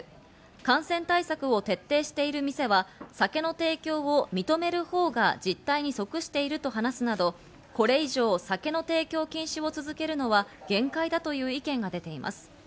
感染対策を徹底してる店は酒の提供を認める方が実態に即していると話すなど、これ以上、酒の提供禁止を続けるのは限界だという意見が出ています。